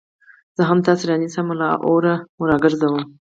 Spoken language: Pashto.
زه هم تاسي رانيسم او له اوره مو راگرځوم